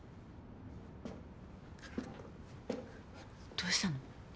どうしたの？